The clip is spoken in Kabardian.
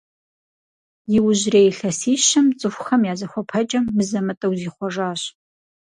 Иужьрей илъэсищэм цӏыхухэм я зыхуэпэкӏэм мызэ-мытӏэу зихъуэжащ.